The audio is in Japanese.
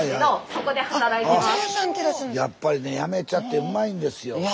やっぱりね八女茶ってうまいんですよ。